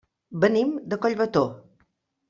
Venim de Collbató.